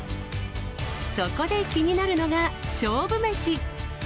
そこで気になるのが、勝負メシ。